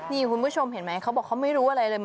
นี่คุณผู้ชมเห็นไหมเขาบอกเขาไม่รู้อะไรเลย